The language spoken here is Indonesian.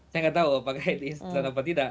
saya nggak tahu apakah instan atau tidak